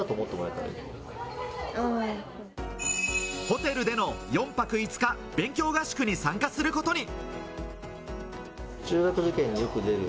ホテルでの４泊５日、勉強合宿に参加することに。